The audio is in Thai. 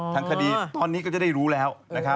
ทั้งคดีตอนนี้ก็จะได้รู้แล้ว